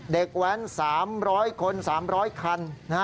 แว้น๓๐๐คน๓๐๐คัน